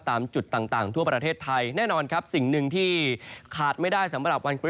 ตามจุดต่างทั่วประเทศไทยแน่นอนสิ่งหนึ่งที่ขาดไม่ได้